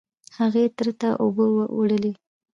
هغې تره ته اوبه وړلې.